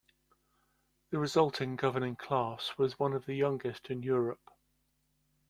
The resulting governing class was one of the youngest in Europe.